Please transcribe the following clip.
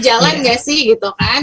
jalan gak sih gitu kan